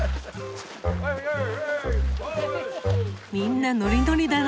みんなノリノリだな。